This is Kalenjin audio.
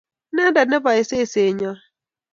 Inendet nebae seset nyo